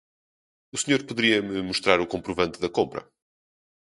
O senhor poderia me mostrar o comprovante da compra?